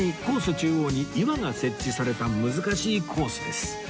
中央に岩が設置された難しいコースです